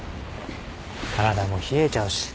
体も冷えちゃうし。